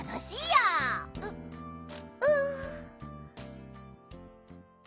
ううん。